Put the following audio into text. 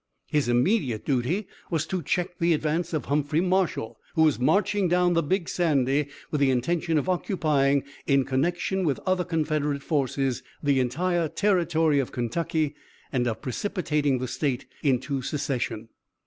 His immediate duty was to check the advance of Humphrey Marshall, who was marching down the Big Sandy with the intention of occupying, in connection with other Confederate forces, the entire territory of Kentucky, and of precipitating the State into secession.